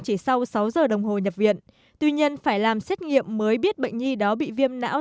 chỉ sau sáu giờ đồng hồ nhập viện tuy nhiên phải làm xét nghiệm mới biết bệnh nhi đó bị viêm não